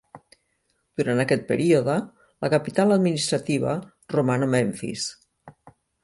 Durant aquest període, la capital administrativa roman a Memfis.